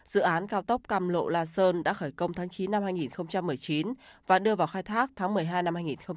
dự án cao tốc cam lộ la sơn đã khởi công tháng chín năm hai nghìn một mươi chín và đưa vào khai thác tháng một mươi hai năm hai nghìn hai mươi